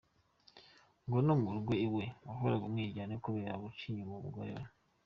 Ngo no mu rugo iwe hahoraga umwiryane kubera guca inyuma umugore we.